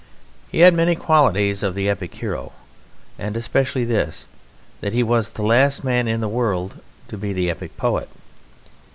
He had many qualities of the epic hero, and especially this that he was the last man in the world to be the epic poet.